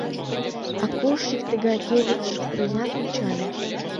Акош ик тыгай кевытыш пуренак ончале.